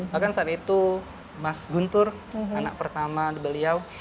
bahkan saat itu mas guntur anak pertama beliau